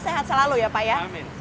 sehat selalu ya pak ya